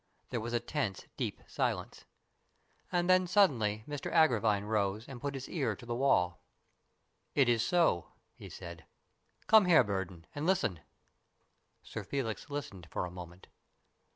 There was a tense, deep silence. And then suddenly Mr Agravine rose and put his ear to the wall. BURDON'S TOMB 109 "It is so," he said. "Come here, Burdon, and listen." Sir Felix listened for a moment.